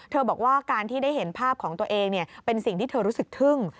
บอกว่าการที่ได้เห็นภาพของตัวเองเป็นสิ่งที่เธอรู้สึกทึ่ง